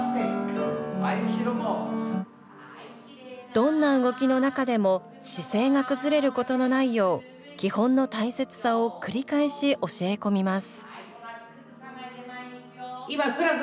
どんな動きの中でも姿勢が崩れることのないよう基本の大切さを繰り返し教え込みます。